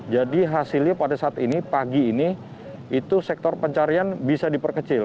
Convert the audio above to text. jadi hasilnya pada saat ini pagi ini itu sektor pencarian bisa diperkecil